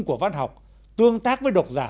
của văn học tương tác với độc giả